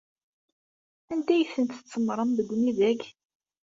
Anda ay tent-tsemmṛem deg umidag?